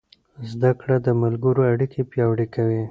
زده کړه د ملګرو اړیکې پیاوړې کوي.